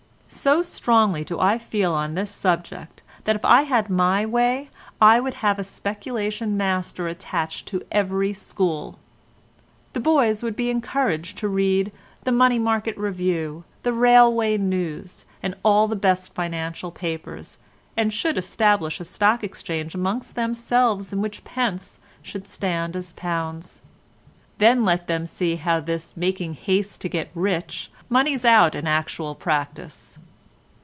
So strongly do I feel on this subject that if I had my way I would have a speculation master attached to every school. The boys would be encouraged to read the Money Market Review, the Railway News, and all the best financial papers, and should establish a stock exchange amongst themselves in which pence should stand as pounds. Then let them see how this making haste to get rich moneys out in actual practice.